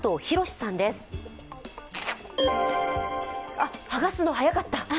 あ、剥がすの早かった。